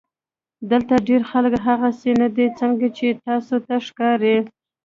دلته ډېر خلک هغسې نۀ دي څنګه چې تاسو ته ښکاري